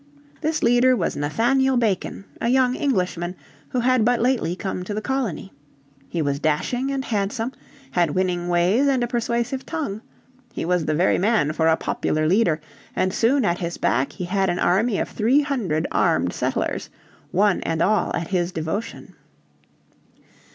This leader was Nathaniel Bacon, a young Englishman who had but lately come to the colony. He was dashing and handsome, had winning ways and a persuasive tongue. He was the very man for a popular leader, and soon at his back he had an army of three hundred armed settlers, "one and all at his devotion."